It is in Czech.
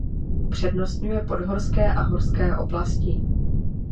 Upřednostňuje podhorské a horské oblasti.